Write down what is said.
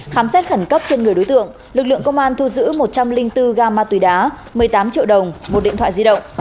khám xét khẩn cấp trên người đối tượng lực lượng công an thu giữ một trăm linh bốn gam ma túy đá một mươi tám triệu đồng một điện thoại di động